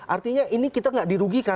artinya ini kita nggak dirugikan